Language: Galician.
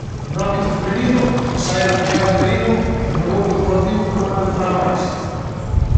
No ámbito feminino, saiban que Alba Merino renovou co Deportivo por unha temporada máis.